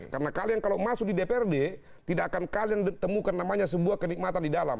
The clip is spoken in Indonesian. karena kalian kalau masuk di dprd tidak akan kalian temukan namanya sebuah kenikmatan di dalam